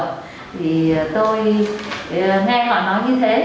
thì tôi nghe họ nói như thế